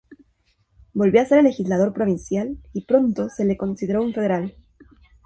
Volvió a ser legislador provincial, y pronto se lo consideró un federal.